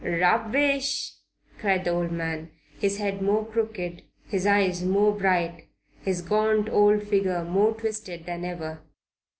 "Rubbish?" cried the old man, his head more crooked, his eyes more bright, his gaunt old figure more twisted than ever.